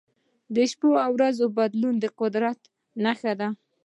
د شپو او ورځو بدلون د قدرت نښه ده.